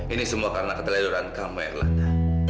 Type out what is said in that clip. ini semua karena keteleduran kamu erlanta